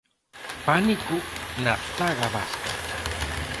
Pánico na zaga vasca.